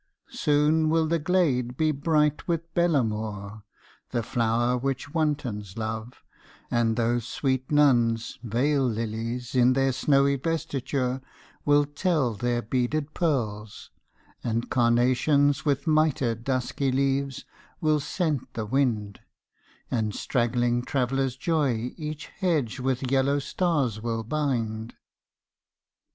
Soon will the glade be bright with bellamour, The flower which wantons love, and those sweet nuns Vale lilies in their snowy vestiture Will tell their beaded pearls, and carnations With mitred dusky leaves will scent the wind, And straggling traveller's joy each hedge with yellow stars will bind.